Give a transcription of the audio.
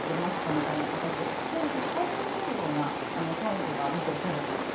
みたいな非常に下手に出るような態度が見て取れたんです。